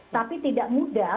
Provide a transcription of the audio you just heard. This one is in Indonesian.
tapi tidak mudah